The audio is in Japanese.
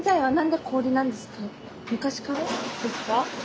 昔からですか？